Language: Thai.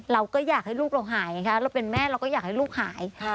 เราก็อยากให้ลูกเราหายนะคะเราเป็นแม่เราก็อยากให้ลูกหาย